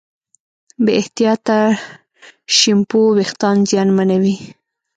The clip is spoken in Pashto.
بې احتیاطه شیمپو وېښتيان زیانمنوي.